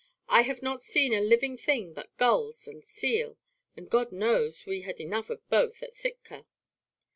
I have not seen a living thing but gulls and seal, and God knows we had enough of both at Sitka."